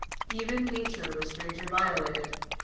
Even nature was strangely violated!